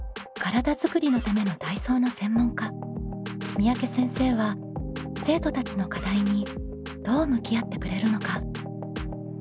三宅先生は生徒たちの課題にどう向き合ってくれるのか？